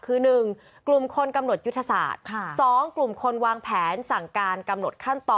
ซึ่งสืบสวนสอบสวนแล้วเขาบอกว่า